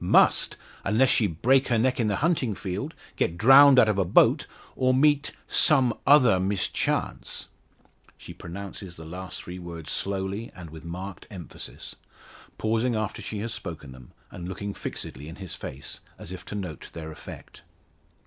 Must, unless she break her neck in the hunting field, get drowned out of a boat, or meet some other mischance." She pronounces the last three words slowly and with marked emphasis, pausing after she has spoken them, and looking fixedly in his face, as if to note their effect.